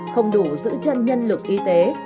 không đủ giữ chân nhân lực y tế